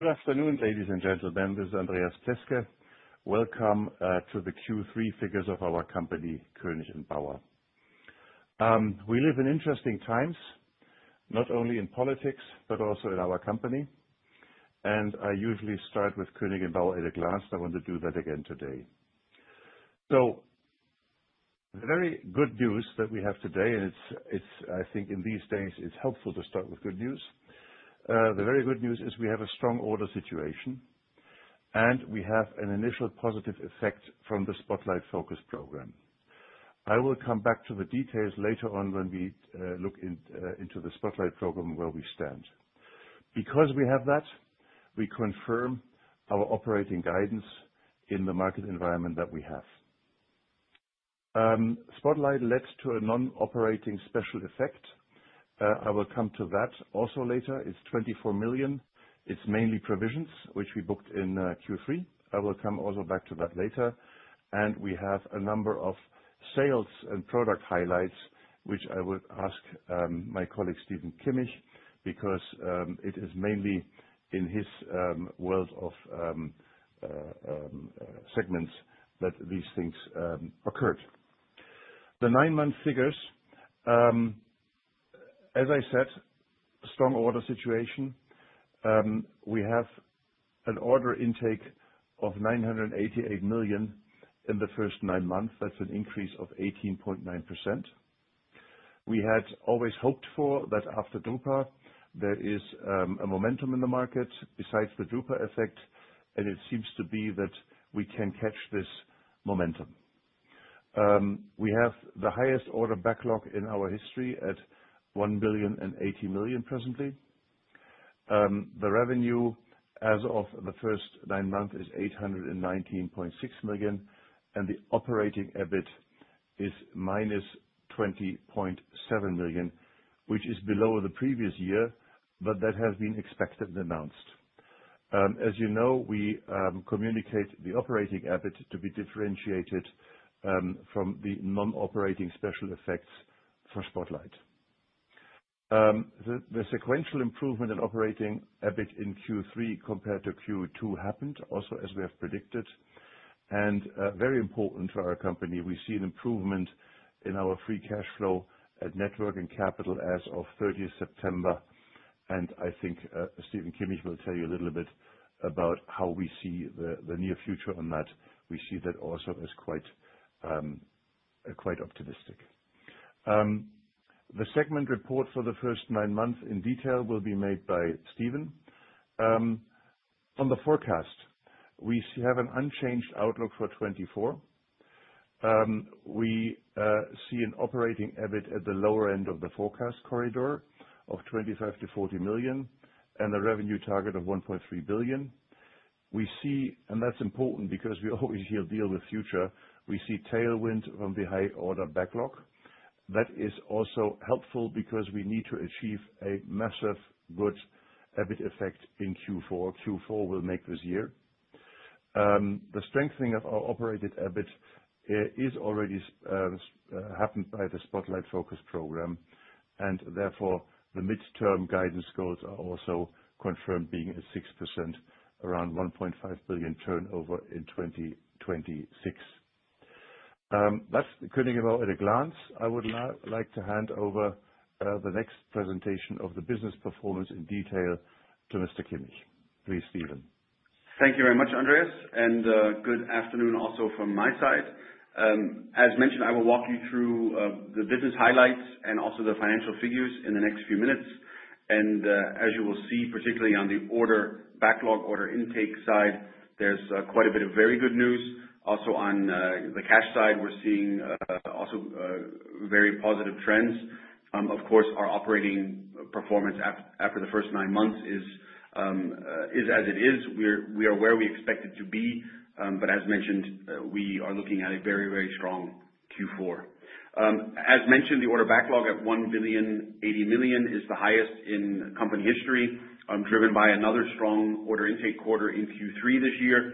Good afternoon, ladies and gentlemen. This is Andreas Pleßke. Welcome to the Q3 figures of our company, Koenig & Bauer. We live in interesting times, not only in politics, but also in our company. I usually start with Koenig & Bauer at a glance. I want to do that again today. The very good news that we have today, and I think in these days it's helpful to start with good news. The very good news is we have a strong order situation, and we have an initial positive effect from the Spotlight focus program. I will come back to the details later on when we look into the Spotlight program where we stand. Because we have that, we confirm our operating guidance in the market environment that we have. Spotlight led to a non-operating special effect. I will come to that also later. It's 24 million. It's mainly provisions, which we booked in Q3. I will come also back to that later. We have a number of sales and product highlights, which I would ask my colleague, Stephen Kimmich, because it is mainly in his world of segments that these things occurred. The nine-month figures. As I said, strong order situation. We have an order intake of 988 million in the first nine months. That's an increase of 18.9%. We had always hoped for that after drupa, there is a momentum in the market besides the drupa effect, and it seems to be that we can catch this momentum. We have the highest order backlog in our history at 1 billion and 80 million presently. The revenue as of the first nine months is 819.6 million, the operating EBIT is minus 20.7 million, which is below the previous year, but that has been expected and announced. As you know, we communicate the operating EBIT to be differentiated from the non-operating special effects for Spotlight. The sequential improvement in operating EBIT in Q3 compared to Q2 happened also as we have predicted, and very important for our company, we see an improvement in our free cash flow at net working capital as of 30th September. I think Stephen Kimmich will tell you a little bit about how we see the near future on that. We see that also as quite optimistic. The segment report for the first nine months in detail will be made by Stephen. On the forecast, we have an unchanged outlook for 2024. We see an operating EBIT at the lower end of the forecast corridor of 25 million-40 million, and a revenue target of 1.3 billion. We see, and that's important because we always here deal with future, we see tailwind from the high order backlog. That is also helpful because we need to achieve a massive good EBIT effect in Q4. Q4 will make this year. The strengthening of our operating EBIT is already happened by the Spotlight Focus program, and therefore the midterm guidance goals are also confirmed being at 6% around 1.5 billion turnover in 2026. That's Koenig & Bauer at a glance. I would now like to hand over the next presentation of the business performance in detail to Dr. Kimmich. Please, Stephen. Thank you very much, Andreas, and good afternoon also from my side. As mentioned, I will walk you through the business highlights and also the financial figures in the next few minutes. As you will see, particularly on the order backlog, order intake side, there's quite a bit of very good news. Also on the cash side, we're seeing also very positive trends. Of course, our operating performance after the first nine months is as it is. We are where we expected to be. As mentioned, we are looking at a very, very strong Q4. As mentioned, the order backlog at 1.08 billion is the highest in company history, driven by another strong order intake quarter in Q3 this year,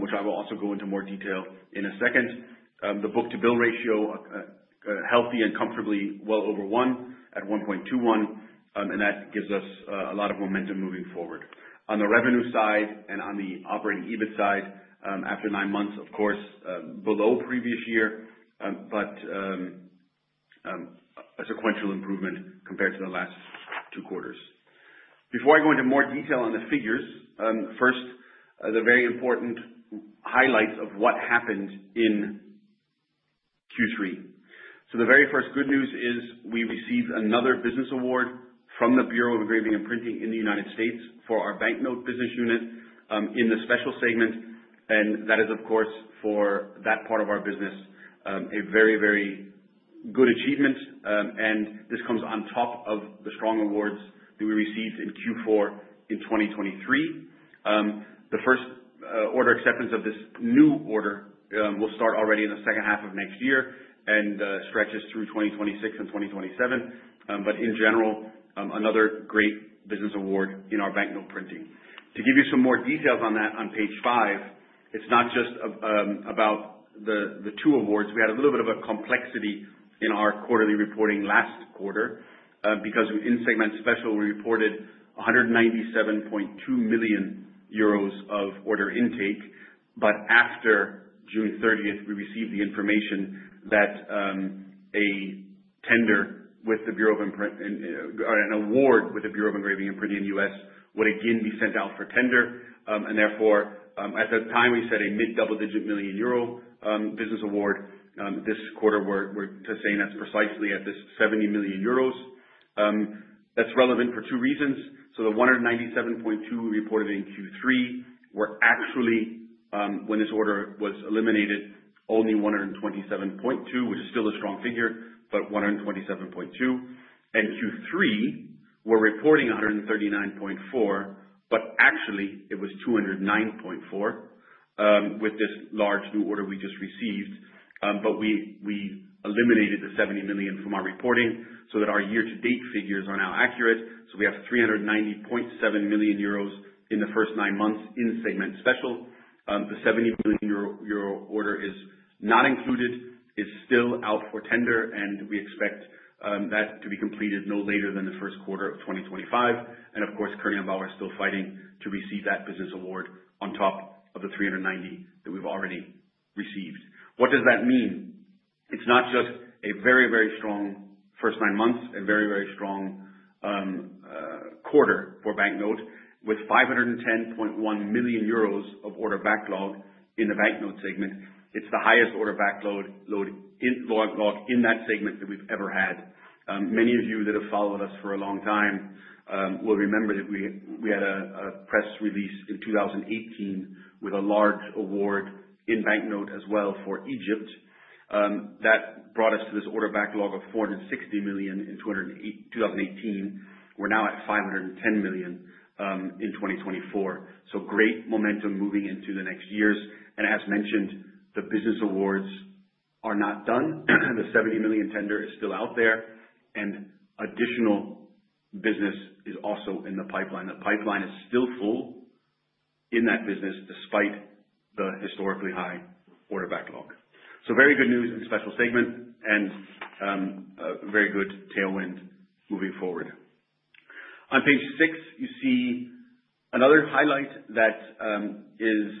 which I will also go into more detail in a second. The book-to-bill ratio, healthy and comfortably well over one at 1.21. That gives us a lot of momentum moving forward. On the revenue side and on the operating EBIT side, after nine months of course below previous year, but a sequential improvement compared to the last two quarters. Before I go into more detail on the figures, first, the very important highlights of what happened in Q3. The very first good news is we received another business award from the Bureau of Engraving and Printing in the U.S. for our banknote business unit, in the special segment. That is, of course, for that part of our business, a very, very good achievement. This comes on top of the strong awards that we received in Q4 2023. The first order acceptance of this new order will start already in the second half of next year and stretches through 2026 and 2027. In general, another great business award in our banknote printing. To give you some more details on that on page five. It's not just about the two awards. We had a little bit of a complexity in our quarterly reporting last quarter, because in segment special, we reported 197.2 million euros of order intake. After June 30th, we received the information that an award with the Bureau of Engraving and Printing in the U.S. would again be sent out for tender. Therefore, at that time, we said a mid-double digit million EUR business award. This quarter, we're saying that precisely at this 70 million euros. That's relevant for two reasons. The 197.2 million we reported in Q3, were actually, when this order was eliminated, only 127.2 million, which is still a strong figure, but 127.2 million. Q3, we're reporting 139.4 million, but actually it was 209.4 million with this large new order we just received. We eliminated the 70 million from our reporting so that our year-to-date figures are now accurate. We have 390.7 million euros in the first nine months in segment special. The 70 million euro order is not included, it's still out for tender, and we expect that to be completed no later than the first quarter 2025. Of course, Koenig & Bauer is still fighting to receive that business award on top of the 390 million that we've already received. What does that mean? It's not just a very strong first nine months, a very strong quarter for banknote. With 510.1 million euros of order backlog in the banknote segment, it's the highest order backlog in that segment that we've ever had. Many of you that have followed us for a long time will remember that we had a press release in 2018 with a large award in banknote as well for Egypt. That brought us to this order backlog of 460 million in 2018. We're now at 510 million in 2024. Great momentum moving into the next years. As mentioned, the business awards are not done. The 70 million tender is still out there. Additional business is also in the pipeline. The pipeline is still full in that business, despite the historically high order backlog. Very good news in the special segment and a very good tailwind moving forward. On page six, you see another highlight that is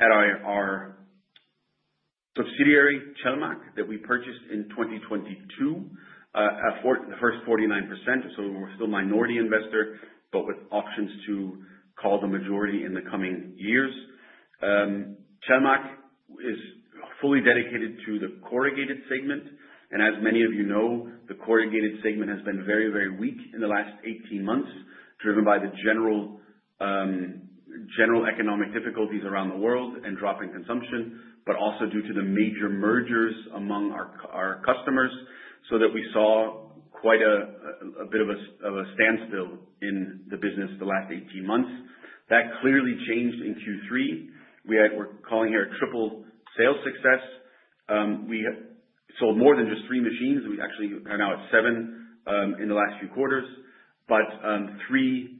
at our subsidiary, Celmacch, that we purchased in 2022. The first 49%, so we're still minority investor, but with options to call the majority in the coming years. Celmacch is fully dedicated to the corrugated segment, and as many of you know, the corrugated segment has been very weak in the last 18 months, driven by the general economic difficulties around the world and drop in consumption. Also due to the major mergers among our customers, so that we saw quite a bit of a standstill in the business the last 18 months. That clearly changed in Q3. We're calling here a triple sales success. We have sold more than just three machines. We actually are now at seven in the last few quarters. But three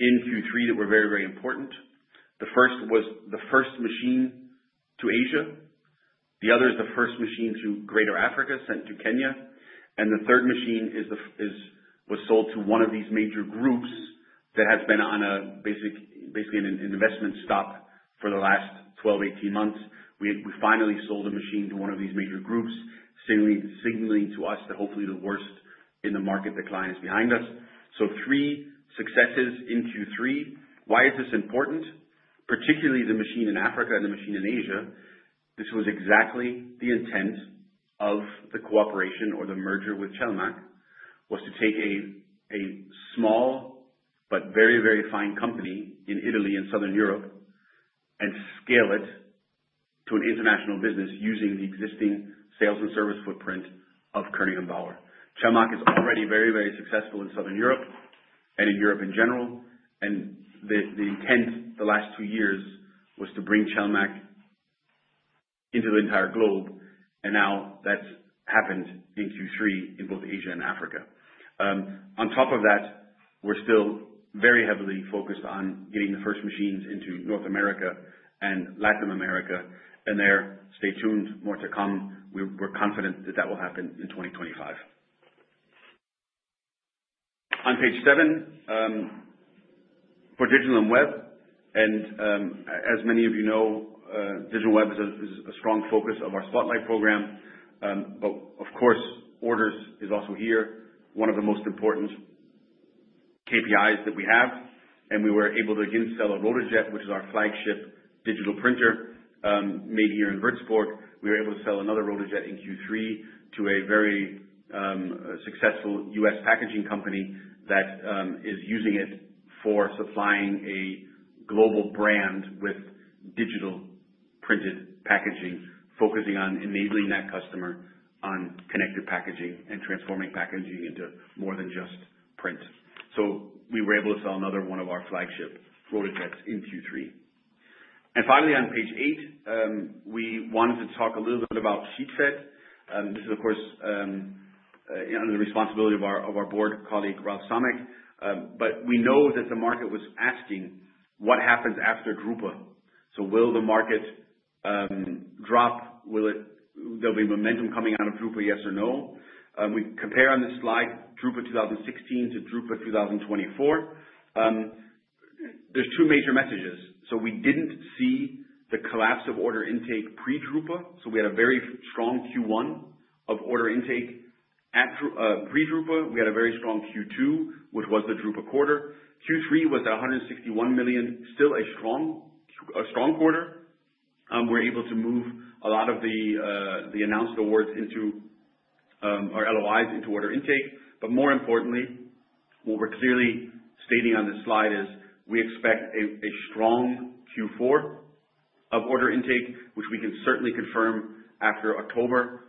in Q3 that were very important. The first was the first machine to Asia. The other is the first machine to Greater Africa, sent to Kenya. The third machine was sold to one of these major groups that has been on basically an investment stop for the last 12, 18 months. We finally sold a machine to one of these major groups, signaling to us that hopefully the worst in the market decline is behind us. Three successes in Q3. Why is this important? Particularly the machine in Africa and the machine in Asia. This was exactly the intent of the cooperation or the merger with Celmacch, was to take a small but very fine company in Italy and Southern Europe and scale it to an international business using the existing sales and service footprint of Koenig & Bauer. Celmacch is already very successful in Southern Europe and in Europe in general. The intent the last two years was to bring Celmacch into the entire globe. Now that's happened in Q3 in both Asia and Africa. On top of that, we're still very heavily focused on getting the first machines into North America and Latin America. There, stay tuned, more to come. We're confident that that will happen in 2025. On page seven, for Digital & Webfed, and as many of you know, Digital & Webfed is a strong focus of our Spotlight program. Of course, orders is also here, one of the most important KPIs that we have. We were able to again sell a RotaJet, which is our flagship digital printer made here in Würzburg. We were able to sell another RotaJet in Q3 to a very successful U.S. packaging company that is using it for supplying a global brand with digital printed packaging, focusing on enabling that customer on connected packaging and transforming packaging into more than just print. We were able to sell another one of our flagship RotaJet in Q3. Finally, on page 8, we wanted to talk a little bit about Sheetfed. This is of course under the responsibility of our board colleague, Ralf Sammeck. We know that the market was asking what happens after drupa. Will the market drop? Will there be momentum coming out of drupa, yes or no? We compare on this slide drupa 2016 to drupa 2024. There's two major messages. We didn't see the collapse of order intake pre-drupa, we had a very strong Q1 of order intake. Pre-drupa, we had a very strong Q2, which was the drupa quarter. Q3 was at 161 million. Still a strong quarter. We're able to move a lot of the announced awards into our LOIs, into order intake. More importantly, what we're clearly stating on this slide is we expect a strong Q4 of order intake, which we can certainly confirm after October.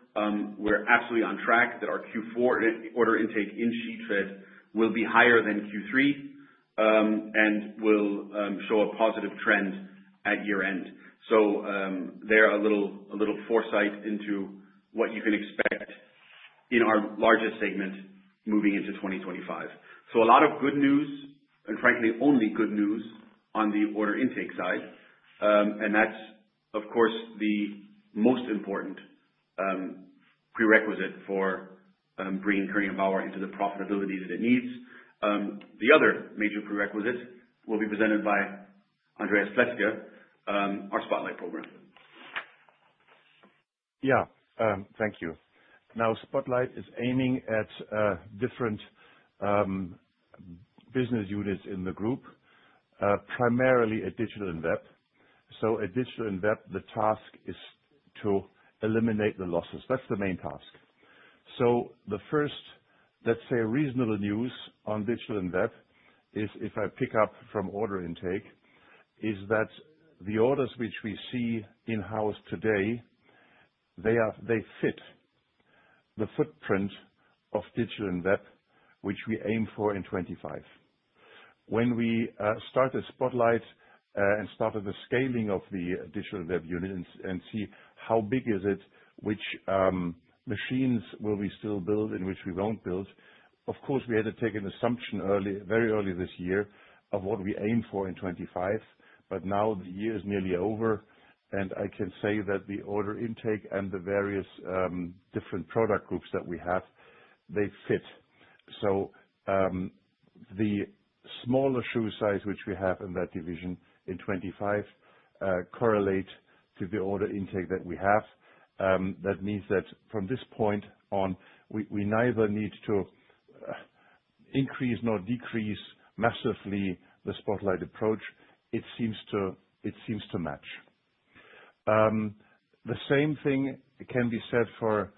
We're absolutely on track that our Q4 order intake in Sheetfed will be higher than Q3, and will show a positive trend at year-end. There is a little foresight into what you can expect in our largest segment moving into 2025. A lot of good news, and frankly, only good news on the order intake side. That's of course, the most important prerequisite for bringing Koenig & Bauer into the profitability that it needs. The other major prerequisite will be presented by Andreas Pleßke, our Spotlight program. Thank you. Spotlight is aiming at different business units in the group primarily at Digital & Webfed. At Digital & Webfed, the task is to eliminate the losses. That's the main task. The first, let's say reasonable news on Digital & Webfed is if I pick up from order intake, is that the orders which we see in-house today, they fit the footprint of Digital & Webfed, which we aim for in 2025. When we started Spotlight, and started the scaling of the Digital & Webfed unit and see how big is it, which machines will we still build and which we won't build. Of course, we had to take an assumption very early this year of what we aim for in 2025, now the year is nearly over, and I can say that the order intake and the various, different product groups that we have, they fit. The smaller shoe size, which we have in that division in 2025, correlate to the order intake that we have. That means that from this point on, we neither need to increase nor decrease massively the Spotlight approach. It seems to match. The same thing can be said for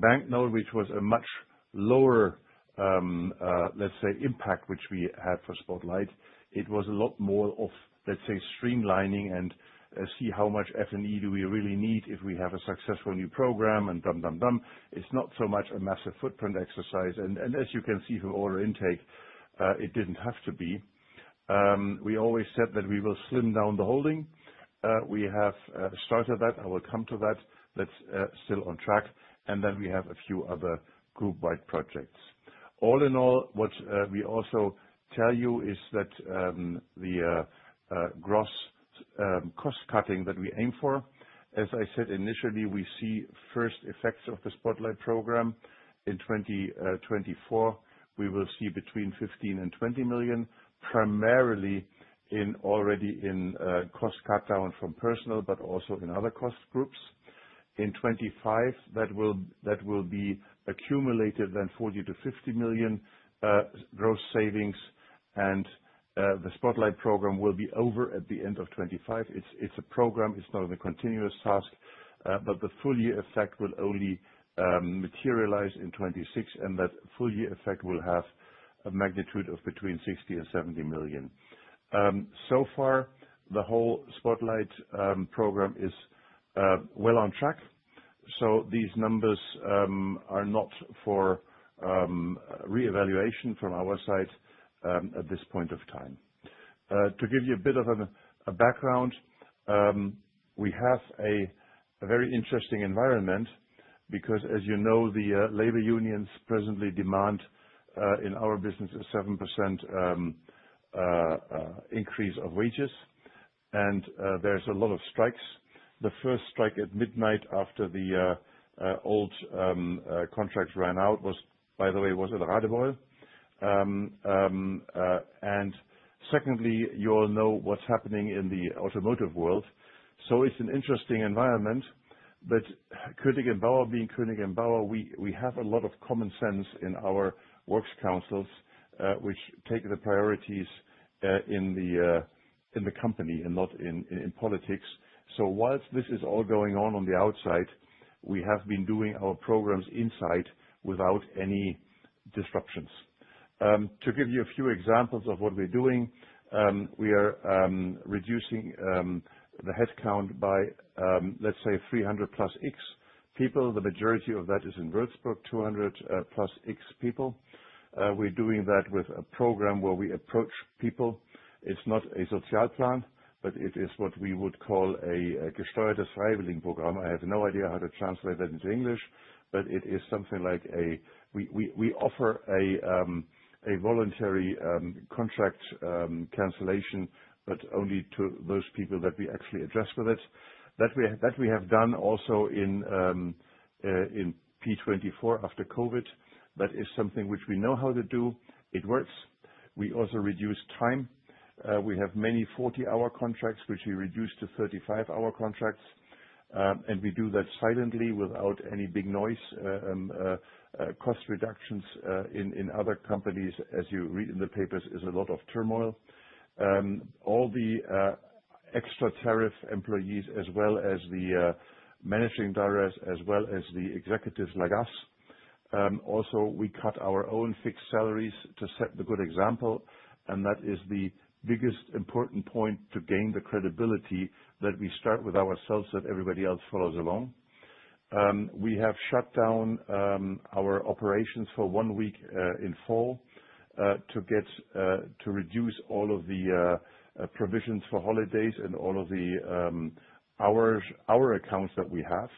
Banknote, which was a much lower, let's say impact, which we had for Spotlight. It was a lot more of, let's say, streamlining and see how much F&E do we really need if we have a successful new program. It's not so much a massive footprint exercise. As you can see from order intake, it didn't have to be. We always said that we will slim down the holding. We have started that. I will come to that. That's still on track. Then we have a few other group-wide projects. All in all, what we also tell you is that the gross cost cutting that we aim for, as I said initially, we see first effects of the Spotlight program in 2024. We will see between 15 million and 20 million, primarily already in cost cutdown from personnel, but also in other cost groups. In 2025, that will be accumulated then 40 million to 50 million gross savings and the Spotlight program will be over at the end of 2025. It's a program. It's not a continuous task. The full year effect will only materialize in 2026, and that full year effect will have a magnitude of between 60 million and 70 million. So far the whole Spotlight program is well on track. These numbers are not for re-evaluation from our side at this point of time. To give you a bit of a background, we have a very interesting environment because as you know, the labor unions presently demand, in our business, a 7% increase of wages. There's a lot of strikes. The first strike at midnight after the old contract ran out was, by the way, at the Radebeul. Secondly, you all know what's happening in the automotive world. It's an interesting environment. Koenig & Bauer being Koenig & Bauer, we have a lot of common sense in our works councils, which take the priorities in the company and not in politics. Whilst this is all going on on the outside, we have been doing our programs inside without any disruptions. To give you a few examples of what we are doing, we are reducing the headcount by, let's say 300 plus X people. The majority of that is in Würzburg, 200 plus X people. We're doing that with a program where we approach people. It's not a Sozialplan, but it is what we would call a gesteuertes Freistellungsprogramm. I have no idea how to translate that into English, but it is something like, we offer a voluntary contract cancellation, but only to those people that we actually address with it. That we have done also in P24 after COVID, that is something which we know how to do. It works. We also reduce time. We have many 40-hour contracts, which we reduced to 35-hour contracts. We do that silently without any big noise. Cost reductions in other companies, as you read in the papers, is a lot of turmoil. All the extra-tariff employees as well as the managing directors, as well as the executives like us. Also, we cut our own fixed salaries to set the good example, and that is the biggest important point to gain the credibility that we start with ourselves, that everybody else follows along. We have shut down our operations for one week in fall to reduce all of the provisions for holidays and all of the hour accounts that we have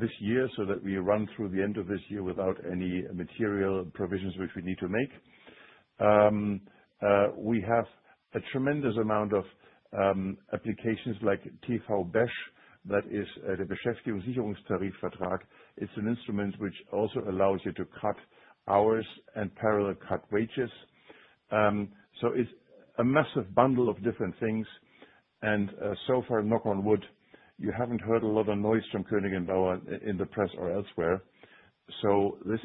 this year, so that we run through the end of this year without any material provisions which we need to make. We have a tremendous amount of applications like TVBeschG. It's an instrument which also allows you to cut hours and parallel cut wages. It's a massive bundle of different things and so far, knock on wood, you haven't heard a lot of noise from Koenig & Bauer in the press or elsewhere. This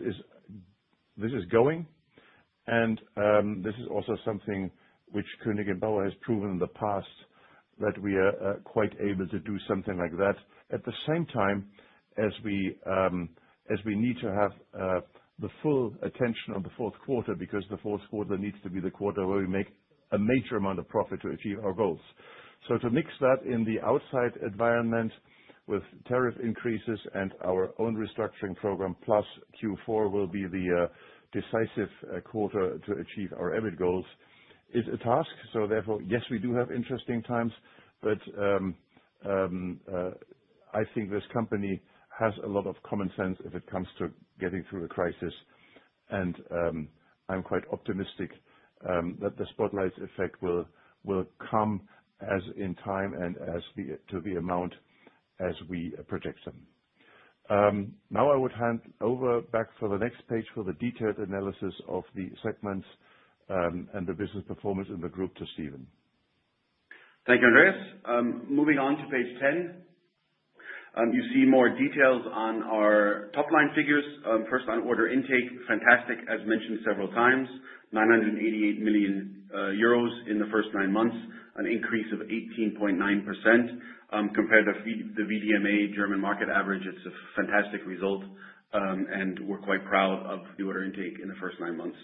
is going and this is also something which Koenig & Bauer has proven in the past, that we are quite able to do something like that. At the same time, as we need to have the full attention on the fourth quarter, because the fourth quarter needs to be the quarter where we make a major amount of profit to achieve our goals. To mix that in the outside environment with tariff increases and our own restructuring program, plus Q4 will be the decisive quarter to achieve our EBIT goals, is a task. Therefore, yes, we do have interesting times, but I think this company has a lot of common sense if it comes to getting through a crisis. I'm quite optimistic that the Spotlight effect will come as in time and as to the amount as we project them. Now I would hand over back for the next page for the detailed analysis of the segments, and the business performance in the group to Stephen. Thank you, Andreas. Moving on to page 10. You see more details on our top-line figures. First on order intake, fantastic, as mentioned several times, 988 million euros in the first nine months, an increase of 18.9%. Compared to the VDMA German market average, it's a fantastic result, and we're quite proud of the order intake in the first nine months.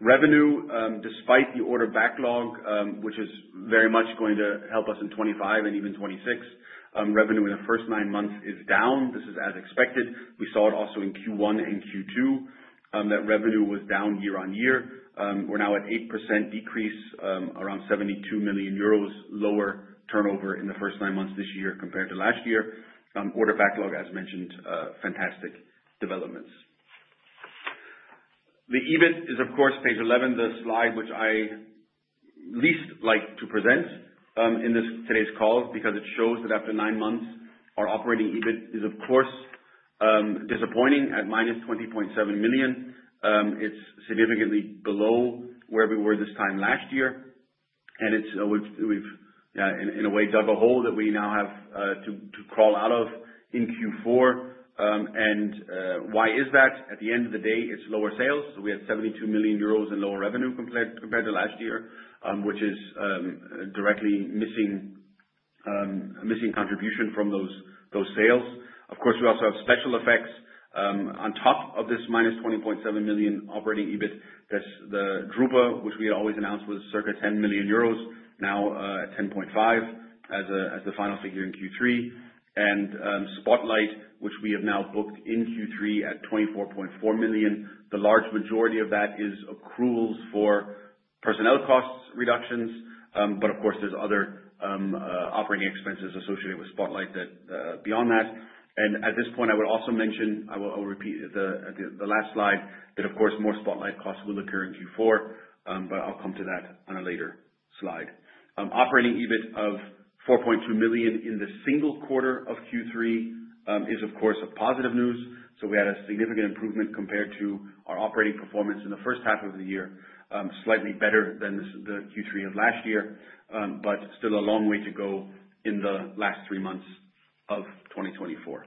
Revenue, despite the order backlog, which is very much going to help us in 2025 and even 2026. Revenue in the first nine months is down. This is as expected. We saw it also in Q1 and Q2, that revenue was down year-on-year. We're now at 8% decrease, around 72 million euros lower turnover in the first nine months this year compared to last year. Order backlog, as mentioned, fantastic developments. The EBIT is, of course, page 11, the slide which I least like to present in today's call because it shows that after nine months, our operating EBIT is, of course, disappointing at -20.7 million. It's significantly below where we were this time last year, and we've, in a way, dug a hole that we now have to crawl out of in Q4. Why is that? At the end of the day, it's lower sales. We had 72 million euros in lower revenue compared to last year, which is directly missing contribution from those sales. Of course, we also have special effects on top of this -20.7 million operating EBIT. That's the drupa, which we had always announced was circa 10 million euros now at 10.5 million as the final figure in Q3. Spotlight, which we have now booked in Q3 at 24.4 million. The large majority of that is accruals for personnel cost reductions. Of course, there's other operating expenses associated with Spotlight beyond that. At this point, I would also mention, I will repeat the last slide, that of course, more Spotlight costs will occur in Q4, but I'll come to that on a later slide. Operating EBIT of 4.2 million in the single quarter of Q3 is of course positive news. We had a significant improvement compared to our operating performance in the first half of the year. Slightly better than the Q3 of last year, but still a long way to go in the last three months of 2024.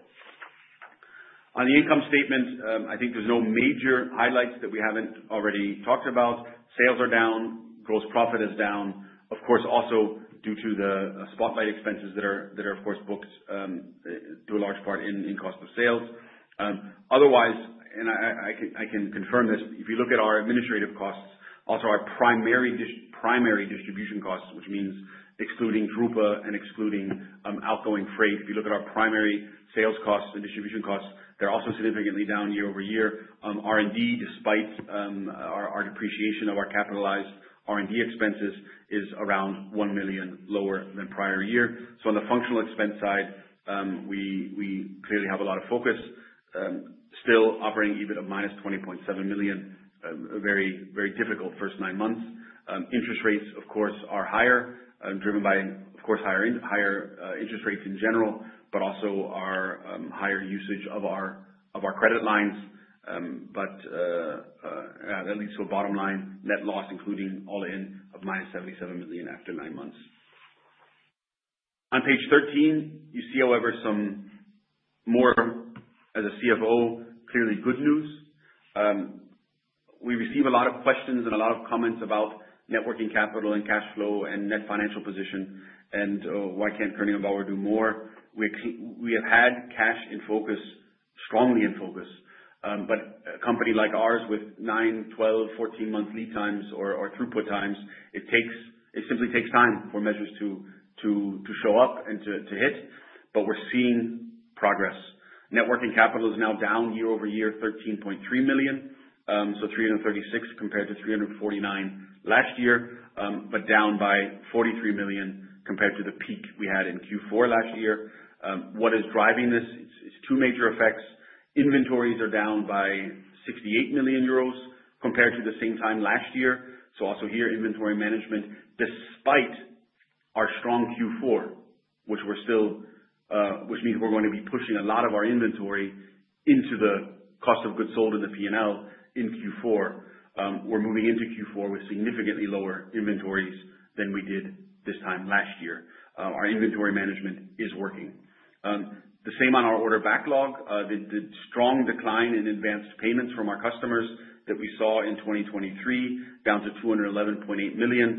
On the income statement, I think there's no major highlights that we haven't already talked about. Sales are down, gross profit is down. Also due to the Spotlight expenses that are, of course, booked to a large part in cost of sales. Otherwise, I can confirm this, if you look at our administrative costs, also our primary distribution costs, which means excluding drupa and excluding outgoing freight. If you look at our primary sales costs and distribution costs, they're also significantly down year-over-year. R&D, despite our depreciation of our capitalized R&D expenses, is around 1 million lower than prior year. Still operating EBIT of minus 20.7 million, a very difficult first nine months. Interest rates, of course, are higher, driven by higher interest rates in general, but also our higher usage of our credit lines. That leads to a bottom line net loss, including all in, of minus 77 million after nine months. On page 13, you see, however, some more, as a CFO, clearly good news. We receive a lot of questions and a lot of comments about net working capital and cash flow and net financial position, and why can't Koenig & Bauer do more? We have had cash in focus, strongly in focus. A company like ours with nine, 12, 14-month lead times or throughput times, it simply takes time for measures to show up and to hit, but we're seeing progress. Net working capital is now down year-over-year 13.3 million. 336 million compared to 349 million last year, but down by 43 million compared to the peak we had in Q4 last year. What is driving this is two major effects. Inventories are down by 68 million euros compared to the same time last year. Also here, inventory management, despite our strong Q4, which means we're going to be pushing a lot of our inventory into the cost of goods sold in the P&L in Q4. We're moving into Q4 with significantly lower inventories than we did this time last year. Our inventory management is working. The same on our order backlog. The strong decline in advanced payments from our customers that we saw in 2023, down to 211.8 million.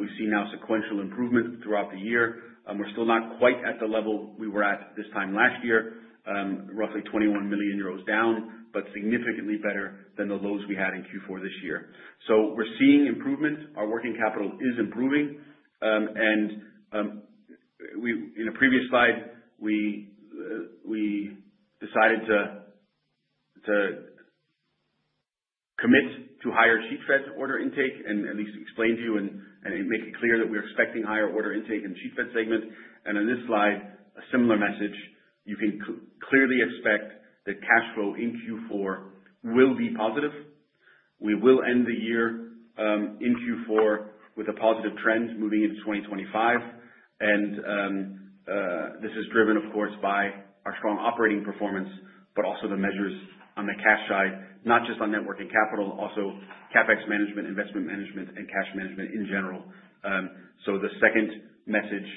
We see now sequential improvement throughout the year. We're still not quite at the level we were at this time last year. Roughly 21 million euros down, but significantly better than the lows we had in Q4 this year. We're seeing improvement. Our working capital is improving. In a previous slide, we decided to commit to higher sheet fed order intake and at least explain to you and make it clear that we're expecting higher order intake in sheet fed segment. On this slide, a similar message, you can clearly expect that cash flow in Q4 will be positive. We will end the year in Q4 with a positive trend moving into 2025. This is driven of course, by our strong operating performance, but also the measures on the cash side, not just on net working capital, also CapEx management, investment management, and cash management in general. The second message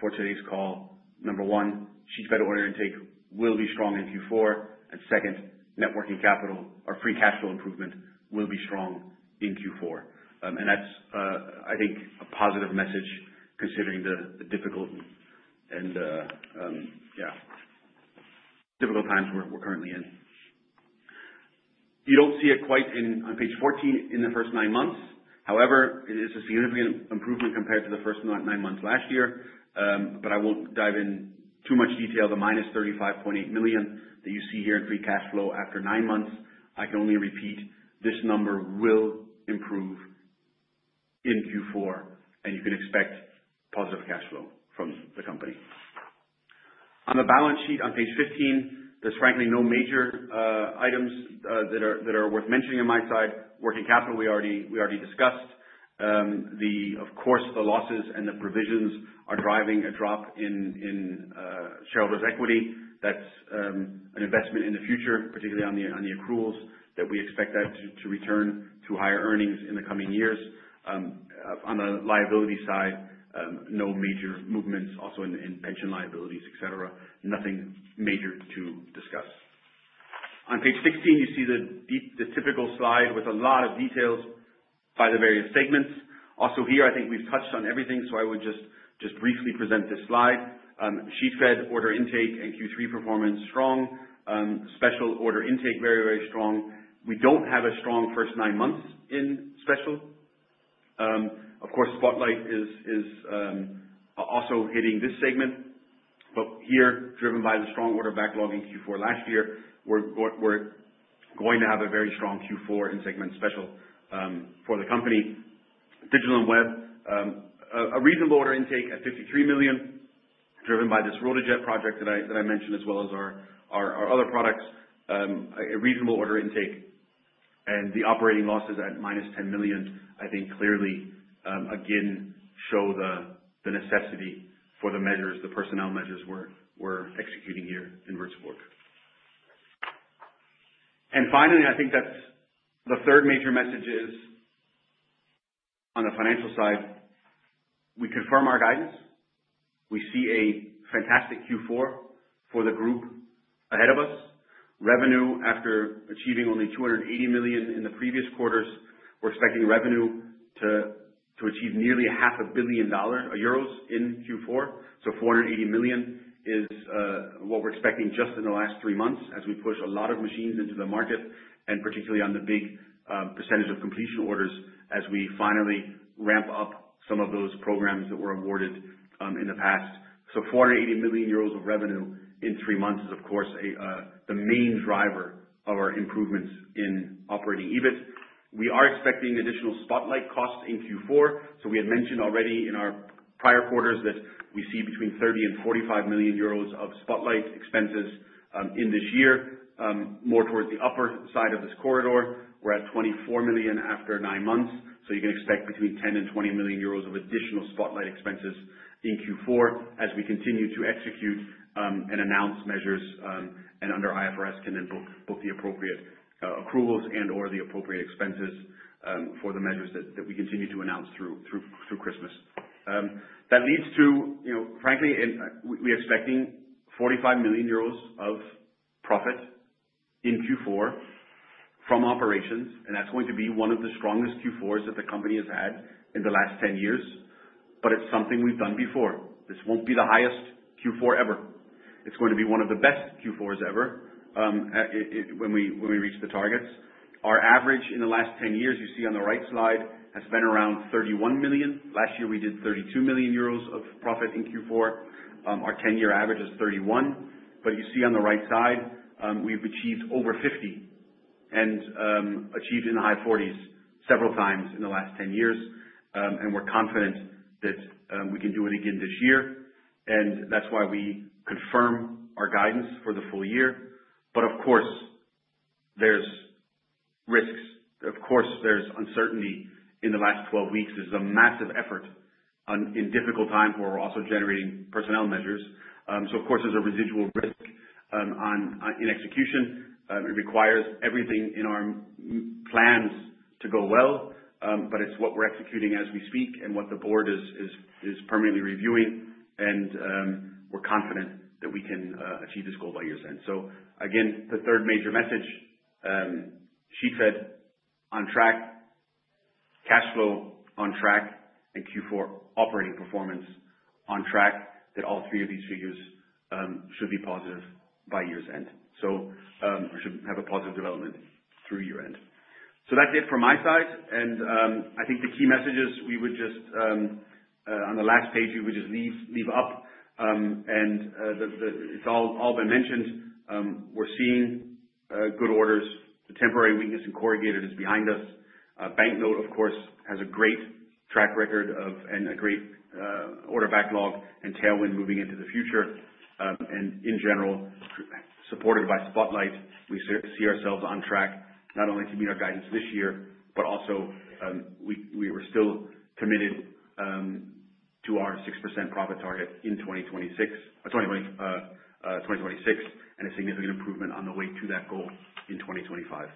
for today's call, number one, sheet fed order intake will be strong in Q4, and second, net working capital or free cash flow improvement will be strong in Q4. That's I think, a positive message considering the difficult times we're currently in. You don't see it quite on page 14 in the first nine months. However, it is a significant improvement compared to the first nine months last year. I won't dive in too much detail. The -35.8 million EUR that you see here in free cash flow after nine months, I can only repeat, this number will improve in Q4, and you can expect positive cash flow from the company. On the balance sheet on page 15, there's frankly no major items that are worth mentioning on my side. Working capital, we already discussed. Of course, the losses and the provisions are driving a drop in shareholder's equity. That's an investment in the future, particularly on the accruals that we expect that to return to higher earnings in the coming years. On the liability side, no major movements also in pension liabilities, et cetera. Nothing major to discuss. On page 16, you see the typical slide with a lot of details by the various segments. Also here, I think we've touched on everything, so I would just briefly present this slide. Sheet fed order intake and Q3 performance, strong. Special order intake, very, very strong. We don't have a strong first nine months in special. Of course, Spotlight is also hitting this segment, but here, driven by the strong order backlog in Q4 last year, we're going to have a very strong Q4 in segment special for the company. Digital & Webfed. A reasonable order intake at 53 million EUR, driven by this RotaJet project that I mentioned, as well as our other products. A reasonable order intake and the operating losses at -10 million EUR, I think clearly, again, show the necessity for the measures, the personnel measures we're executing here in Würzburg. Finally, I think that the third major message is on the financial side. We confirm our guidance. We see a fantastic Q4 for the group ahead of us. Revenue after achieving only 280 million EUR in the previous quarters, we're expecting revenue to achieve nearly a half a billion EUR in Q4. 480 million EUR is what we're expecting just in the last three months as we push a lot of machines into the market, and particularly on the big percentage-of-completion orders as we finally ramp up some of those programs that were awarded in the past. 480 million euros of revenue in three months is, of course, the main driver of our improvements in operating EBIT. We are expecting additional Spotlight costs in Q4. We had mentioned already in our prior quarters that we see between 30 million and 45 million euros of Spotlight expenses, in this year, more towards the upper side of this corridor. We are at 24 million after nine months. You can expect between 10 million and 20 million euros of additional Spotlight expenses in Q4 as we continue to execute, and announce measures, and under IFRS can invoke both the appropriate accruals and/or the appropriate expenses for the measures that we continue to announce through Christmas. That leads to, frankly, we are expecting 45 million euros of profit in Q4 from operations, and that is going to be one of the strongest Q4s that the company has had in the last 10 years, but it is something we have done before. This will not be the highest Q4 ever. It is going to be one of the best Q4s ever when we reach the targets. Our average in the last 10 years, you see on the right side, has been around 31 million. Last year, we did 32 million euros of profit in Q4. Our 10-year average is 31 million. You see on the right side, we have achieved over 50 million and achieved in the high 40 million several times in the last 10 years. We are confident that we can do it again this year, and that is why we confirm our guidance for the full year. Of course, there are risks. Of course, there is uncertainty in the last 12 weeks. This is a massive effort in difficult times where we are also generating personnel measures. Of course, there is a residual risk in execution. It requires everything in our plans to go well, but it is what we are executing as we speak and what the board is permanently reviewing. We are confident that we can achieve this goal by year's end. Again, the third major message, sheet fed on track, cash flow on track, and Q4 operating performance on track, that all three of these figures should be positive by year's end. We should have a positive development through year-end. That is it from my side. I think the key messages we would just, on the last page, we would just leave up. It has all been mentioned. We are seeing good orders. The temporary weakness in corrugated is behind us. Banknote, of course, has a great track record and a great order backlog and tailwind moving into the future. In general, supported by Spotlight, we see ourselves on track not only to meet our guidance this year, but also, we were still committed to our 6% profit target in 2026 and a significant improvement on the way to that goal in 2025.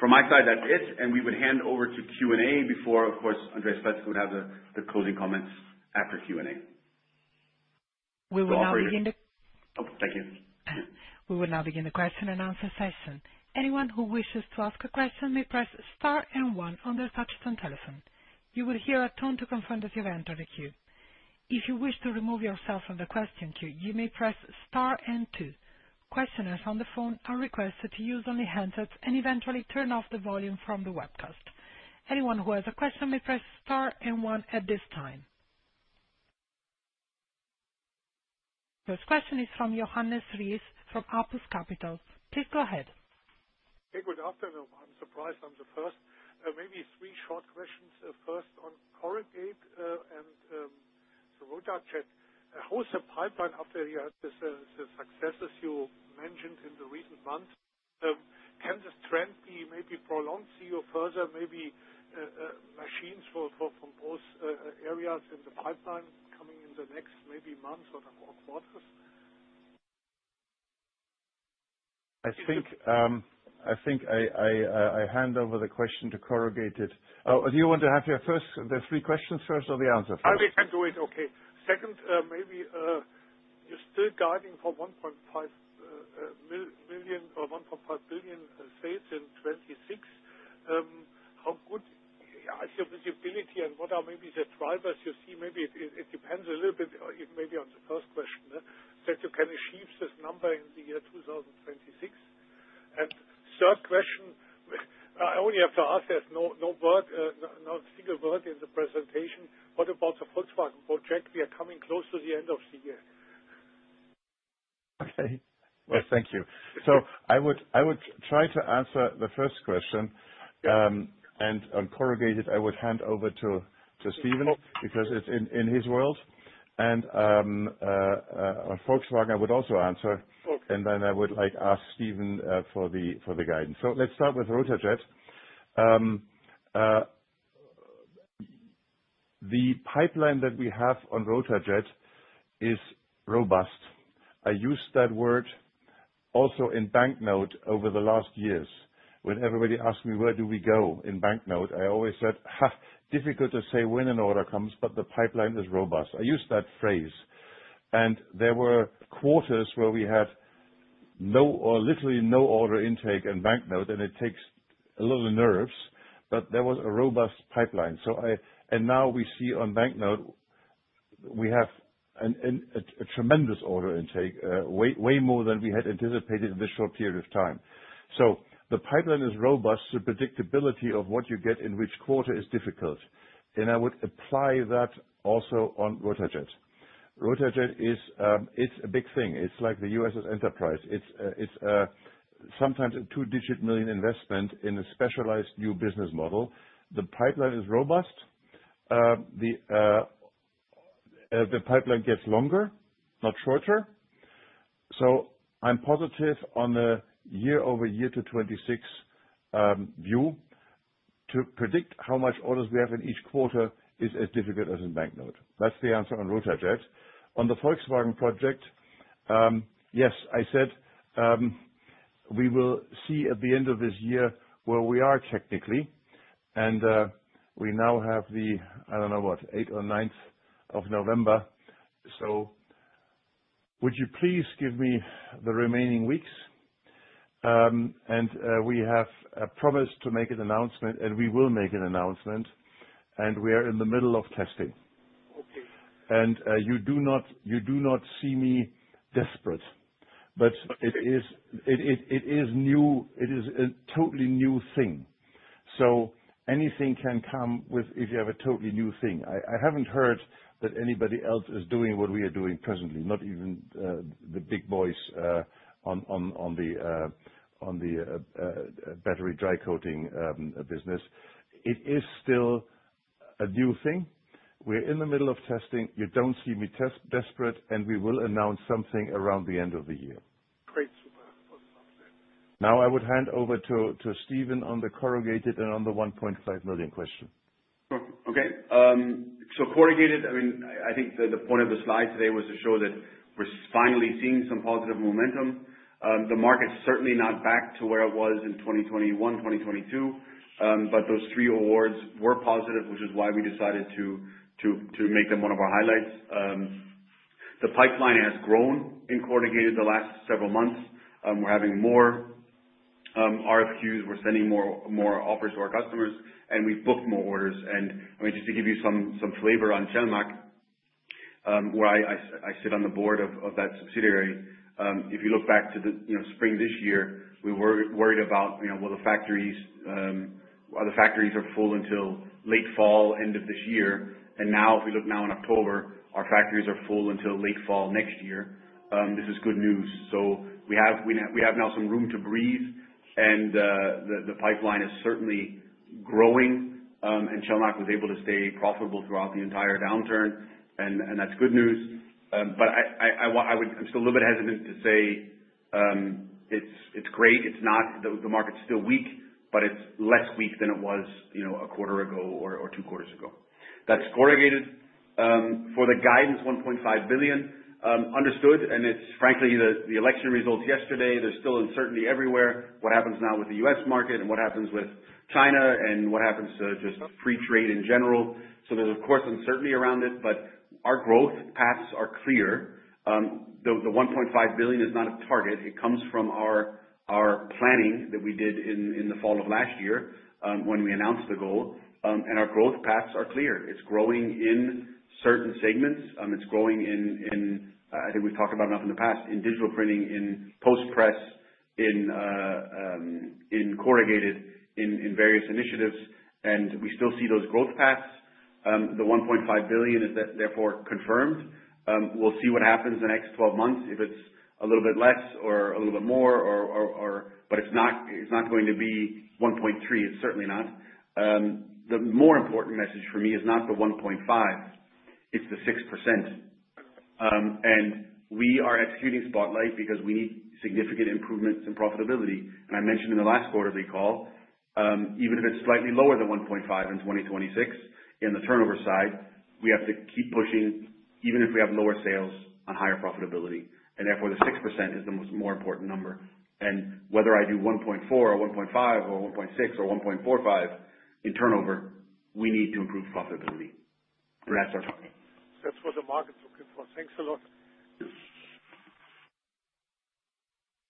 From my side, that is it. We would hand over to Q&A before, of course, Andreas Pleßke would have the closing comments after Q&A. We will now begin the- Oh, thank you. We will now begin the question and answer session. Anyone who wishes to ask a question may press star and one on their touch-tone telephone. You will hear a tone to confirm that you have entered the queue. If you wish to remove yourself from the question queue, you may press star and two. Questioners on the phone are requested to use only handsets and eventually turn off the volume from the webcast. Anyone who has a question may press star and one at this time. First question is from Johannes Rees from Apus Capital. Please go ahead. Hey, good afternoon. I'm surprised I'm the first. Maybe three short questions. First on corrugate, and, the RotaJet. How is the pipeline after the successes you mentioned in the recent months? Can this trend be maybe prolonged? See you further maybe, machines from both areas in the pipeline coming in the next maybe months or quarters? I think I hand over the question to Corrugated. Do you want to have the three questions first or the answer first? I think I can do it. Okay. Second, maybe, you're still guiding for 1.5 billion sales in 2026. How good is your visibility and what are maybe the drivers you see, maybe it depends a little bit on the first question, that you can achieve this number in the year 2026? Third question, I only have to ask that. No single word in the presentation. What about the Volkswagen project? We are coming close to the end of the year. Okay. Well, thank you. I would try to answer the first question. Yeah. On Corrugated, I would hand over to Stephen because it's in his world. Volkswagen, I would also answer. Okay. I would like ask Stephen for the guidance. Let's start with RotaJet. The pipeline that we have on RotaJet is robust. I used that word also in Banknote over the last years. When everybody asks me where do we go in banknote, I always said, "Huh, difficult to say when an order comes, but the pipeline is robust." I used that phrase. There were quarters where we had literally no order intake in banknote, and it takes a little nerves, but there was a robust pipeline. Now we see on banknote, we have a tremendous order intake, way more than we had anticipated in this short period of time. The pipeline is robust. The predictability of what you get in which quarter is difficult. I would apply that also on RotaJet. RotaJet is a big thing. It's like the USS Enterprise. It's sometimes a two-digit million investment in a specialized new business model. The pipeline is robust. The pipeline gets longer, not shorter. I'm positive on the year-over-year to 2026 view. To predict how much orders we have in each quarter is as difficult as in banknote. That's the answer on RotaJet. On the Volkswagen project, yes, I said, we will see at the end of this year where we are technically, and we now have the, I don't know what, eighth or ninth of November. Would you please give me the remaining weeks? We have a promise to make an announcement, and we will make an announcement, and we are in the middle of testing. Okay. You do not see me desperate. It is a totally new thing, anything can come if you have a totally new thing. I haven't heard that anybody else is doing what we are doing presently, not even the big boys on the battery dry coating business. It is still a new thing. We're in the middle of testing. You don't see me desperate, and we will announce something around the end of the year. Great. Super. Now I would hand over to Stephen on the corrugated and on the 1.5 million question. Okay. Corrugated, I think the point of the slide today was to show that we're finally seeing some positive momentum. The market's certainly not back to where it was in 2021, 2022. Those three awards were positive, which is why we decided to make them one of our highlights. The pipeline has grown in corrugated the last several months. We're having more RFQ. We're sending more offers to our customers, and we've booked more orders. Just to give you some flavor on Celmacch, where I sit on the board of that subsidiary. If you look back to the spring this year, we were worried about the factories are full until late fall end of this year. If we look now in October, our factories are full until late fall next year. This is good news. We have now some room to breathe and the pipeline is certainly growing. Celmacch was able to stay profitable throughout the entire downturn and that's good news. I'm still a little bit hesitant to say it's great. It's not. The market's still weak, it's less weak than it was a quarter ago or two quarters ago. That's corrugated. For the guidance, 1.5 billion, understood, it's frankly the election results yesterday, there's still uncertainty everywhere. What happens now with the U.S. market and what happens with China and what happens to just free trade in general. There's of course, uncertainty around it, our growth paths are clear. The 1.5 billion is not a target. It comes from our planning that we did in the fall of last year, when we announced the goal. Our growth paths are clear. It's growing in certain segments. It's growing in, I think we've talked about enough in the past, in digital printing, in post press, in corrugated in various initiatives, and we still see those growth paths. The 1.5 billion is therefore confirmed. We'll see what happens the next 12 months, if it's a little bit less or a little bit more but it's not going to be 1.3 billion. It's certainly not. The more important message for me is not the 1.5 billion, it's the 6%. We are executing Spotlight because we need significant improvements in profitability. I mentioned in the last quarter recall, even if it's slightly lower than 1.5 billion in 2026 in the turnover side, we have to keep pushing, even if we have lower sales on higher profitability, therefore the 6% is the more important number. Whether I do 1.4 billion or 1.5 billion or 1.6 billion or 1.45 billion in turnover, we need to improve profitability. That's our target. That's what the market's looking for. Thanks a lot.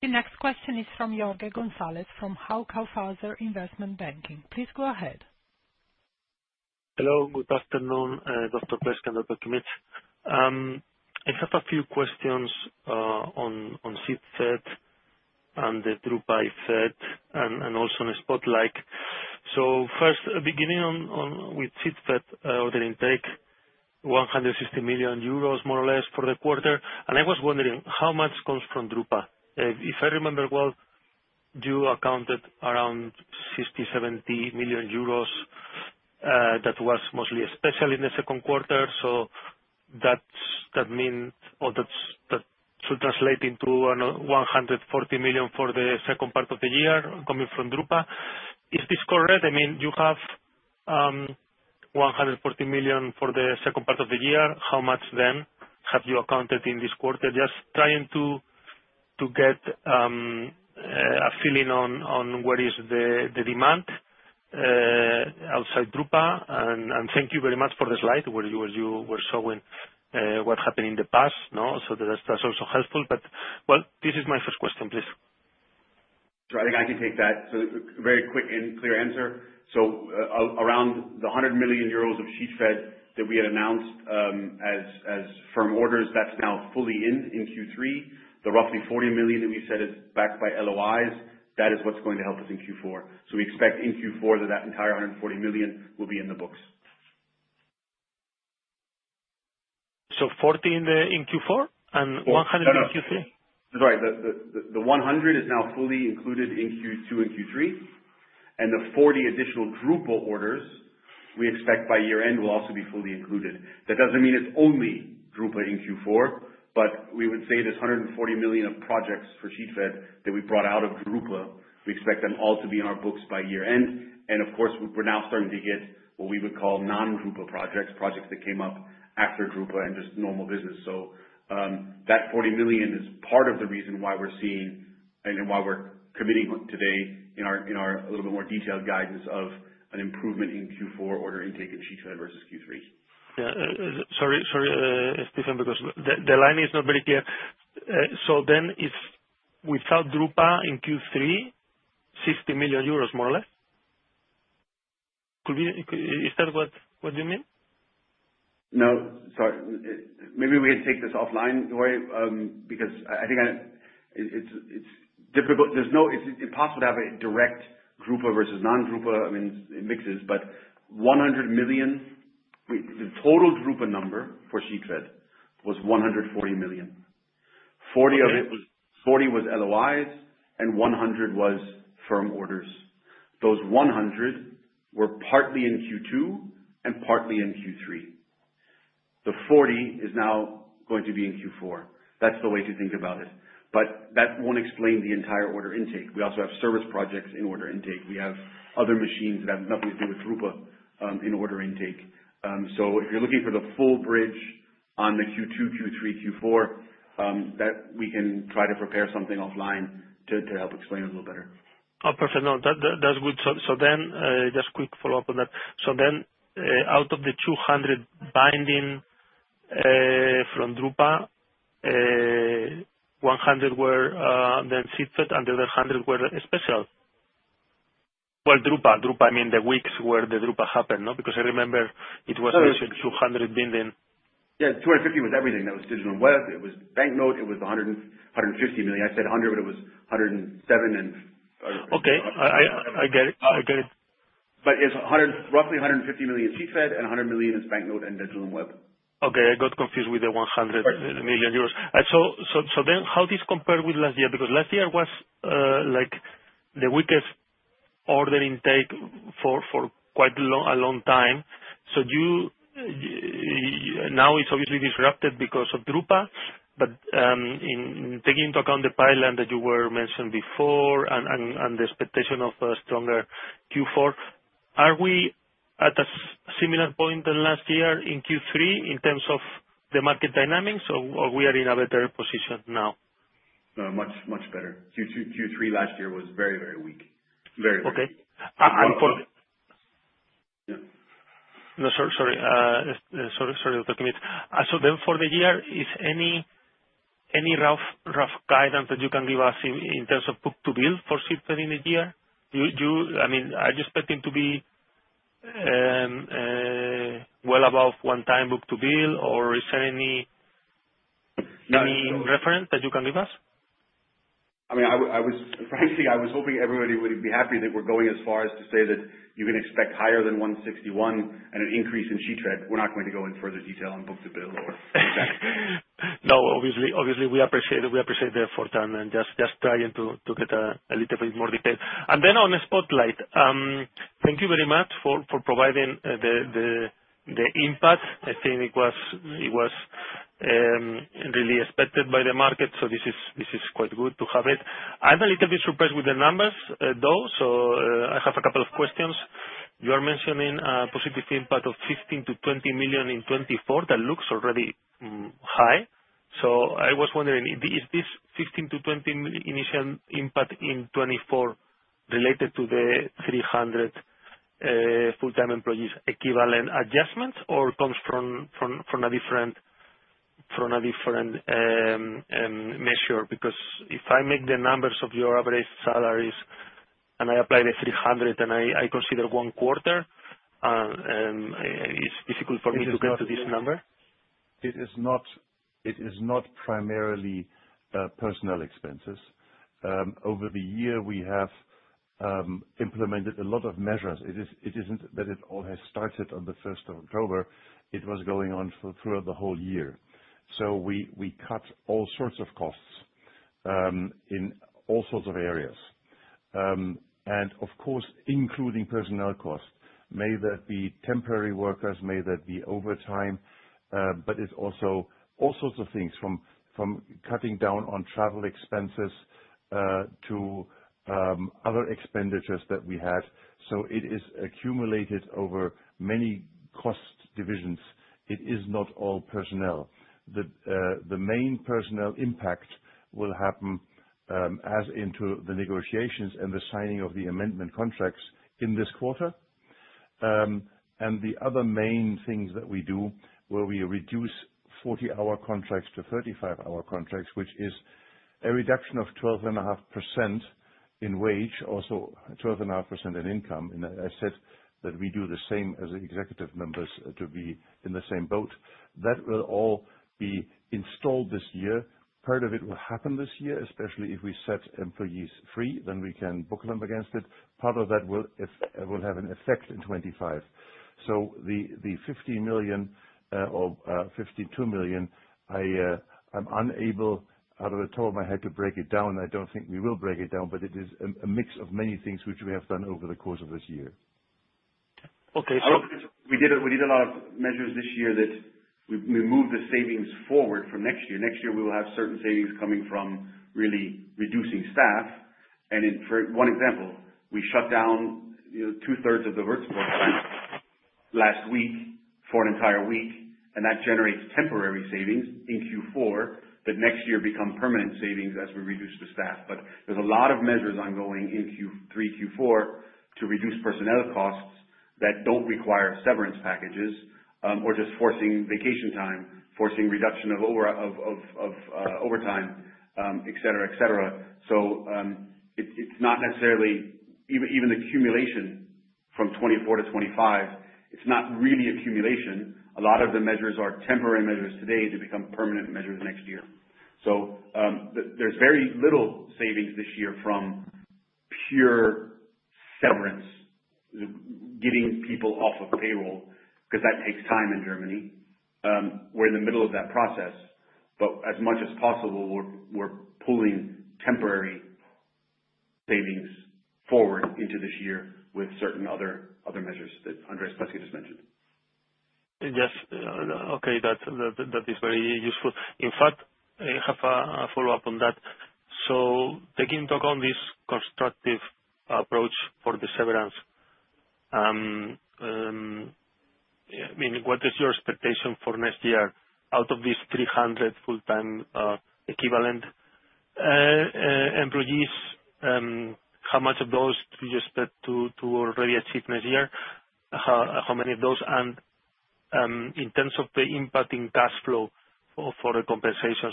The next question is from Jorge Gonzalez from Hauck & Aufhäuser Investment Banking. Please go ahead. Hello. Good afternoon, Dr. Pleßke and Dr. Kimmich. I have a few questions on Sheetfed and the drupa feed and also on Spotlight. First, beginning with Sheetfed order intake, 160 million euros more or less for the quarter. I was wondering how much comes from drupa. If I remember well, you accounted around 60 million euros, 70 million euros. That was mostly especially in the second quarter. That should translate into 140 million for the second part of the year coming from drupa. Is this correct? You have 140 million for the second part of the year. How much then have you accounted for in this quarter? Just trying to get a feeling on what is the demand outside drupa. Thank you very much for the slide where you were showing what happened in the past. That's also helpful. This is my first question, please. I think I can take that. A very quick and clear answer. Around the 100 million euros of Sheetfed that we had announced as firm orders, that's now fully in in Q3. The roughly 40 million that we said is backed by LOIs, that is what's going to help us in Q4. We expect in Q4 that that entire 140 million will be in the books. 40 in Q4 and 100 in Q3? Sorry. The 100 is now fully included in Q2 and Q3, and the 40 additional drupa orders we expect by year-end will also be fully included. That doesn't mean it's only drupa in Q4, but we would say this 140 million of projects for Sheetfed that we brought out of drupa, we expect them all to be in our books by year-end. Of course, we're now starting to get what we would call non-drupa projects that came up after drupa and just normal business. That 40 million is part of the reason why we're seeing and why we're committing today in our little bit more detailed guidance of an improvement in Q4 order intake and Sheetfed versus Q3. Sorry, Stephan, because the line is not very clear. If we felt drupa in Q3, 60 million euros more or less. Is that what you mean? Sorry. Maybe we can take this offline, Jorge, because I think it is impossible to have a direct drupa versus non-drupa, I mean, it mixes, but 100 million. The total drupa number for sheet-fed was 140 million. 40 million was LOIs and 100 million was firm orders. Those 100 million were partly in Q2 and partly in Q3. The 40 million is now going to be in Q4. That is the way to think about it. That will not explain the entire order intake. We also have service projects in order intake. We have other machines that have nothing to do with drupa, in order intake. If you are looking for the full bridge on the Q2, Q3, Q4, that we can try to prepare something offline to help explain a little better. Perfect. That is good. Just a quick follow-up on that. Out of the 200 million binding, from drupa, 100 million were, then sheet-fed and the other 100 million were special. drupa, I mean, the weeks where the drupa happened, no? Because I remember it was 200 million. 250 million was everything. That was Digital & Webfed. It was banknote. It was 150 million. I said 100 million, but it was 107 million. Okay. I get it. It's roughly 150 million in sheet-fed and 100 million is banknote and Digital & Webfed. Okay. I got confused with the 100 million euros. Right. How does this compare with last year? Because last year was the weakest order intake for quite a long time. Now it's obviously disrupted because of drupa, but taking into account the pile-on that you were mentioning before and the expectation of a stronger Q4, are we at a similar point than last year in Q3 in terms of the market dynamics, or we are in a better position now? Much better. Q2, Q3 last year was very weak. Okay. Unfo- For the year, is any rough guidance that you can give us in terms of book-to-bill for sheet fed in the year? Are you expecting to be well above one time book-to-bill, or is there any reference that you can give us? Frankly, I was hoping everybody would be happy that we're going as far as to say that you can expect higher than 161 and an increase in sheet fed. We're not going to go into further detail on book-to-bill. Obviously, we appreciate the effort and just trying to get a little bit more detail. On the Spotlight. Thank you very much for providing the impact. I think it was really expected by the market. This is quite good to have it. I'm a little bit surprised with the numbers, though. I have a couple of questions. You are mentioning a positive impact of 15 million to 20 million in 2024. That looks already high. I was wondering, is this 15 million to 20 million initial impact in 2024 related to the 300 full-time employees equivalent adjustments or comes from a different measure? Because if I make the numbers of your average salaries and I apply the 300 and I consider one quarter, it's difficult for me to get to this number. It is not primarily personal expenses. Over the year, we have implemented a lot of measures. It is not that it all has started on the 1st of October. It was going on throughout the whole year. We cut all sorts of costs in all sorts of areas. Of course, including personnel costs. May that be temporary workers, may that be overtime, but it is also all sorts of things from cutting down on travel expenses to other expenditures that we had. It is accumulated over many cost divisions. It is not all personnel. The main personnel impact will happen as into the negotiations and the signing of the amendment contracts in this quarter. The other main things that we do, where we reduce 40-hour contracts to 35-hour contracts, which is a reduction of 12.5% in wage. Also, 12.5% in income. I said that we do the same as executive members to be in the same boat. That will all be installed this year. Part of it will happen this year, especially if we set employees free, then we can book them against it. Part of that will have an effect in 2025. The 50 million or 52 million, I am unable, out of the top of my head, to break it down. I do not think we will break it down, but it is a mix of many things which we have done over the course of this year. Okay. We did a lot of measures this year that we moved the savings forward for next year. Next year, we will have certain savings coming from really reducing staff. For one example, we shut down two-thirds of the Würzburg plant last week for an entire week, and that generates temporary savings in Q4, that next year become permanent savings as we reduce the staff. There is a lot of measures ongoing in Q3, Q4 to reduce personnel costs that do not require severance packages, or just forcing vacation time, forcing reduction of overtime, et cetera. It is not necessarily even accumulation from 2024 to 2025. It is not really accumulation. A lot of the measures are temporary measures today. They become permanent measures next year. There is very little savings this year from pure severance, getting people off of payroll, because that takes time in Germany. We are in the middle of that process, but as much as possible, we are pulling temporary savings forward into this year with certain other measures that Andreas Pleßke just mentioned. Yes. Okay, that is very useful. In fact, I have a follow-up on that. Taking stock on this constructive approach for the severance, I mean, what is your expectation for next year out of these 300 full-time equivalent employees? How much of those do you expect to already achieve next year? How many of those? In terms of the impact in cash flow for the compensations,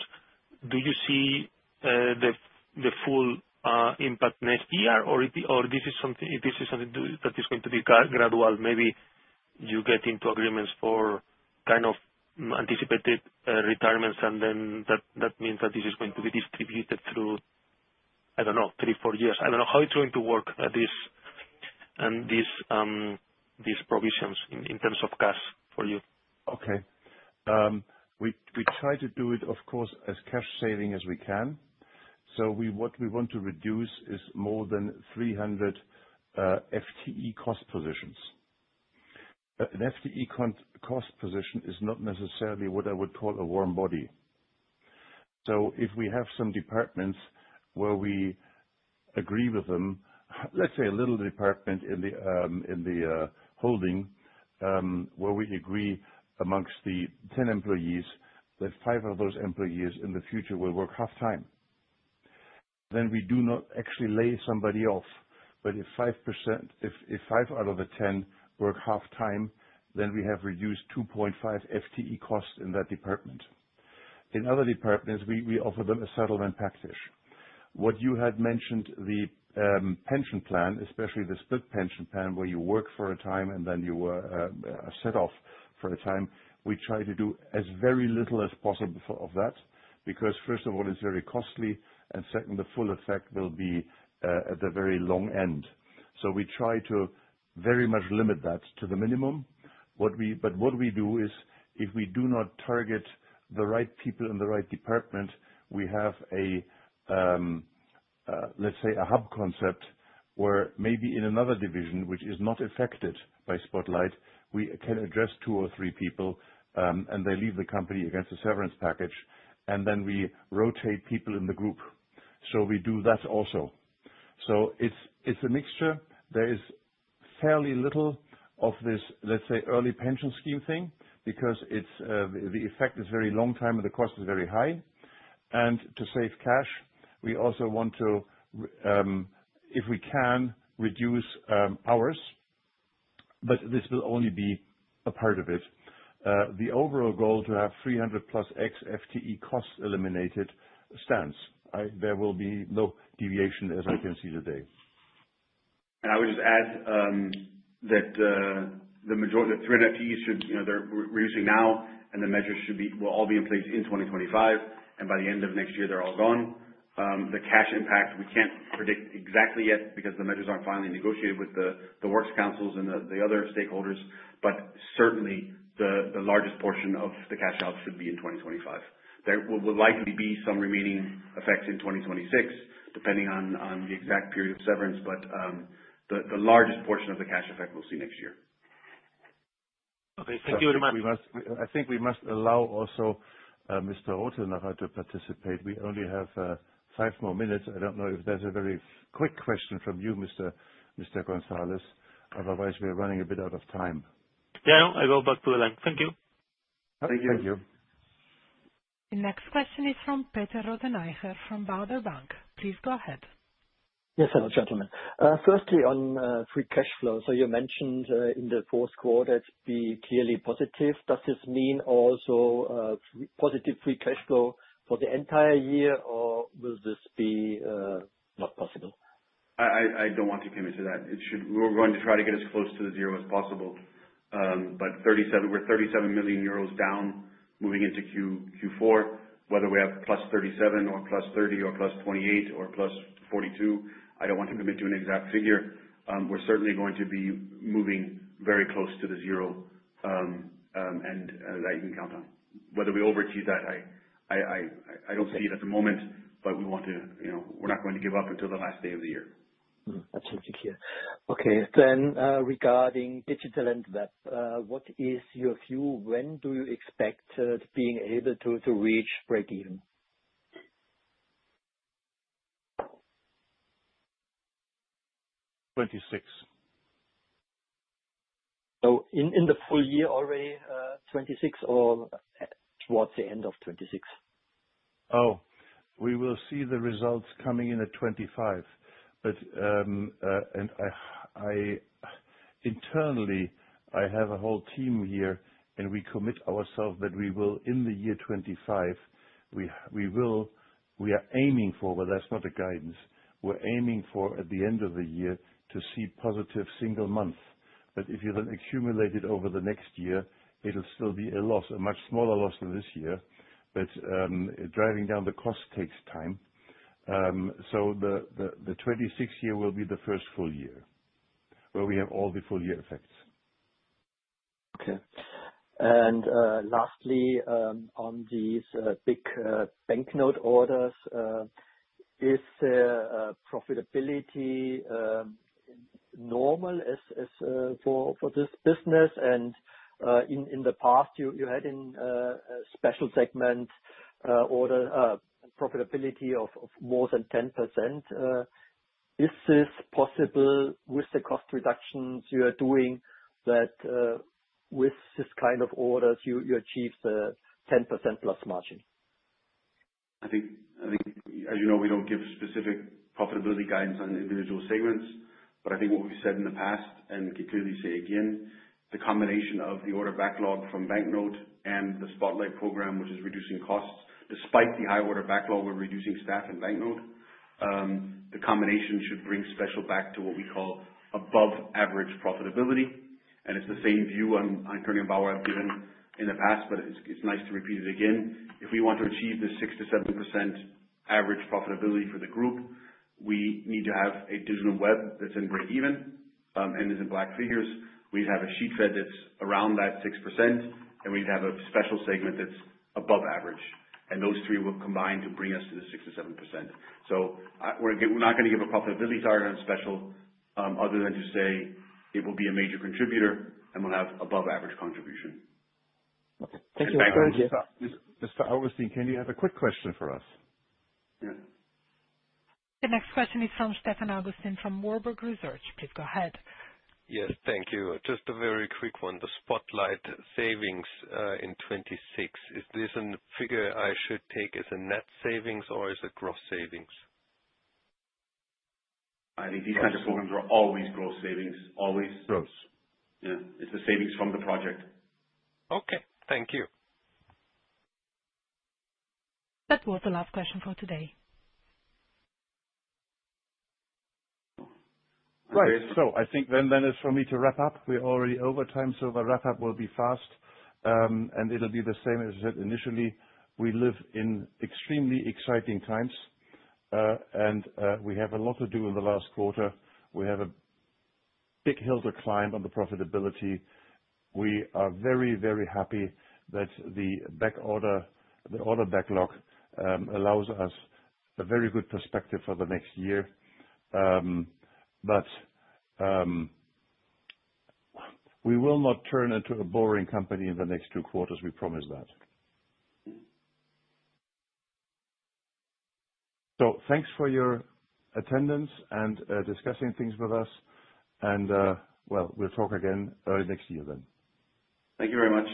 do you see the full impact next year? This is something that is going to be gradual? Maybe you get into agreements for anticipated retirements and then that means that this is going to be distributed through, I don't know, three, four years. I don't know how it's going to work, these provisions in terms of cash for you. Okay. We try to do it, of course, as cash saving as we can. What we want to reduce is more than 300 FTE cost positions. An FTE cost position is not necessarily what I would call a warm body. If we have some departments where we agree with them, let's say a little department in the holding, where we agree amongst the 10 employees that five of those employees in the future will work half-time. We do not actually lay somebody off. If five out of the 10 work half-time, then we have reduced 2.5 FTE costs in that department. In other departments, we offer them a settlement package. What you had mentioned, the pension plan, especially the split pension plan, where you work for a time and then you were set off for a time. We try to do as very little as possible of that, because first of all, it's very costly, and second, the full effect will be at the very long end. We try to very much limit that to the minimum. What we do is, if we do not target the right people in the right department, we have, let's say, a hub concept where maybe in another division, which is not affected by Spotlight, we can address two or three people, and they leave the company against a severance package, and then we rotate people in the group. We do that also. It's a mixture. There is fairly little of this, let's say, early pension scheme thing, because the effect is very long time and the cost is very high. To save cash, we also want to, if we can, reduce hours. This will only be a part of it. The overall goal to have 300 plus X FTE costs eliminated stands. There will be no deviation as I can see today. I would just add that the majority, the 300 FTEs, they're reducing now, and the measures will all be in place in 2025. By the end of next year, they're all gone. The cash impact we can't predict exactly yet because the measures aren't finally negotiated with the works councils and the other stakeholders. Certainly, the largest portion of the cash out should be in 2025. There would likely be some remaining effects in 2026, depending on the exact period of severance. The largest portion of the cash effect we'll see next year. Okay, thank you very much. I think we must allow also Mr. Rothenaicher to participate. We only have five more minutes. I don't know if there's a very quick question from you, Mr. Gonzalez. Otherwise, we're running a bit out of time. Yeah. I go back to the line. Thank you. Thank you. The next question is from Peter Rothenaicher from Baader Bank. Please go ahead. Yes, hello, gentlemen. Firstly, on free cash flow. You mentioned in the fourth quarter, it's been clearly positive. Does this mean also positive free cash flow for the entire year, or will this be not possible? I don't want to commit to that. We're going to try to get as close to the zero as possible. We're 37 million euros down moving into Q4, whether we have +37 or +30 or +28 or +42, I don't want to commit to an exact figure. We're certainly going to be moving very close to the zero, and that you can count on. Whether we overachieve that, I don't see it at the moment, but we're not going to give up until the last day of the year. That's it. Thank you. Okay. Regarding Digital and Web, what is your view? When do you expect being able to reach break even? '26. In the full year already, 2026 or towards the end of 2026? We will see the results coming in at 2025. Internally, I have a whole team here, and we commit ourselves that we will in the year 2025. We are aiming for, that's not a guidance. We're aiming for at the end of the year to see positive single month. If you then accumulate it over the next year, it'll still be a loss, a much smaller loss than this year. Driving down the cost takes time. The 2026 year will be the first full year where we have all the full year effects. Okay. Lastly, on these big banknote orders, is profitability normal for this business? In the past you had in a special segment order profitability of more than 10%. Is this possible with the cost reductions you are doing that with this kind of orders, you achieve the 10%+ margin? I think, as you know, we don't give specific profitability guidance on individual segments. I think what we've said in the past, and we can clearly say again, the combination of the order backlog from banknote and the Spotlight program, which is reducing costs. Despite the high order backlog, we're reducing staff and banknote. The combination should bring Special back to what we call above average profitability, and it's the same view on Koenig & Bauer I've given in the past, but it's nice to repeat it again. If we want to achieve the 6%-7% average profitability for the group, we need to have a Digital & Webfed that's in breakeven, and is in black figures. We'd have a Sheetfed that's around that 6%, and we'd have a Special segment that's above average, and those three will combine to bring us to the 6%-7%. We're not going to give a profitability target on Special, other than to say it will be a major contributor, and will have above average contribution. Okay. Thank you. Mr. Augustin, can you have a quick question for us? The next question is from Stefan Augustin from Warburg Research. Please go ahead. Yes. Thank you. Just a very quick one. The Spotlight savings, in 2026. Is this a figure I should take as a net savings or as a gross savings? I think these kinds of programs are always gross savings. Always. Gross. Yeah. It's the savings from the project. Okay. Thank you. That was the last question for today. Right. I think then that is for me to wrap up. We're already over time, the wrap-up will be fast. It'll be the same as I said initially. We live in extremely exciting times. We have a lot to do in the last quarter. We have a big hill to climb on the profitability. We are very, very happy that the order backlog allows us a very good perspective for the next year. We will not turn into a boring company in the next two quarters, we promise that. Thanks for your attendance and discussing things with us and, well, we'll talk again early next year then. Thank you very much.